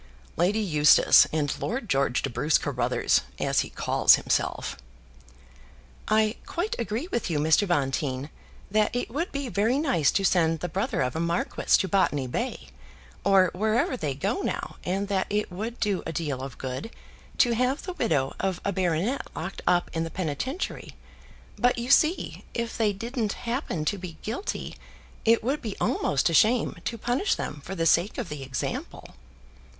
"Lady Eustace, and Lord George de Bruce Carruthers, as he calls himself." "I quite agree with you, Mr. Bonteen, that it would be very nice to send the brother of a marquis to Botany Bay, or wherever they go now; and that it would do a deal of good to have the widow of a baronet locked up in the Penitentiary; but you see, if they didn't happen to be guilty, it would be almost a shame to punish them for the sake of the example."